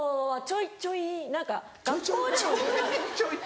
ちょいちょい？